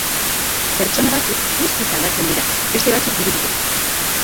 Pertsona batzuk guztiz aldatzen dira, beste batzuk dirudite.